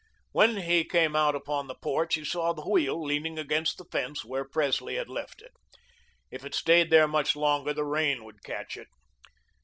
When he came out upon the porch he saw the wheel leaning against the fence where Presley had left it. If it stayed there much longer the rain would catch it.